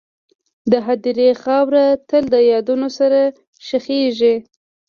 د هدیرې خاوره تل د یادونو سره ښخېږي..